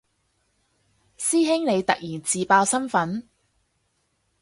師兄你突然自爆身份